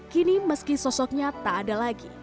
kini meski sosoknya tak ada lagi